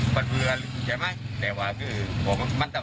ขโมยมานานหรือน่ะทำไมกัน